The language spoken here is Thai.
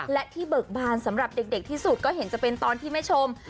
และที่เบิกบานสำหรับเด็กที่สุดก็เห็นจะเป็นตอนที่แม่ชม